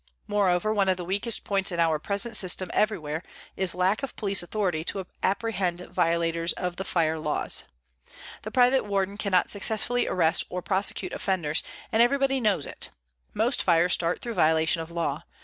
Moreover, one of the weakest points in our present system everywhere is lack of police authority to apprehend violators of the fire laws. The private warden cannot successfully arrest or prosecute offenders, and everybody knows it. Most fires start through violation of law.